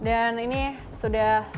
dan ini sudah